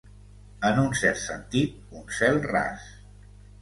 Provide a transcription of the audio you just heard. En un cert sentit, un cel ras.